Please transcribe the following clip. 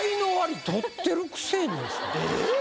えっ？